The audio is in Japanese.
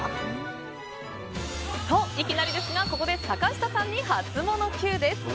と、いきなりですがここで坂下さんにハツモノＱです。